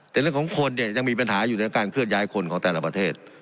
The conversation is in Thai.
แต่เรื่องของคนเนี่ยยังมีปัญหาอยู่ในการเคลื่อนย้ายคนของแต่ละประเทศ